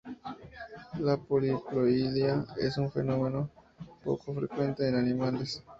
La poliploidía es un fenómeno poco frecuente en animales.